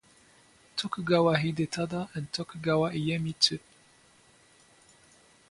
Tokugawa Hidetada and Tokugawa Iemitsu.